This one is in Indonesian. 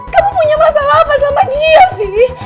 kamu punya masalah apa sama dia sih